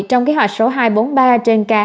trong kế hoạch số hai trăm bốn mươi ba trên k